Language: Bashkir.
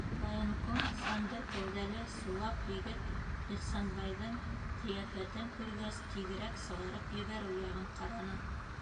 Военком, сандыр кәүҙәле сулаҡ егет, Ихсанбайҙың ҡиәфәтен күргәс, тиҙерәк сығарып ебәреү яғын ҡараны.